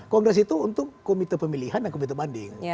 kongres itu untuk komite pemilihan dan komite banding